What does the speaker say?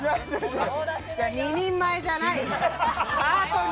２人前じゃない。